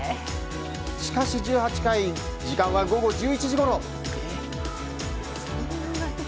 しかし１８回時間は午後１１時ごろ。